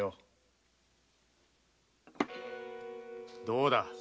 どうだ？